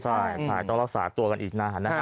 ใช่ต้องรักษาตัวกันอีกนานนะฮะ